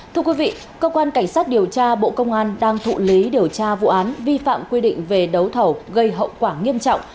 thưa quý vị cơ quan cảnh sát điều tra bộ công an đang thụ lý điều tra vụ án vi phạm quy định về đấu thầu gây hậu quả nghiêm trọng